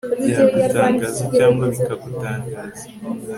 byagutangaza cyangwa bikagutangaza